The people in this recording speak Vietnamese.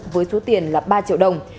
với số tiền là ba triệu đồng